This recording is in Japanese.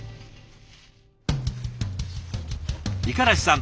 五十嵐さん